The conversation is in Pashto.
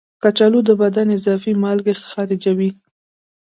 کچالو د بدن اضافي مالګې خارجوي.